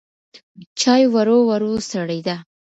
چای ورو ورو سړېده.